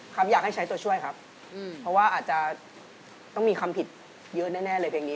ครับอยากให้ใช้ตัวช่วยครับเพราะว่าอาจจะต้องมีคำผิดเยอะแน่เลยเพลงนี้